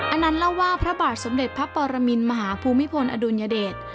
อันนั้นเล่าว่าพระบาทสมเด็จพระปรมินมหาภูมิพลอดุลยเดช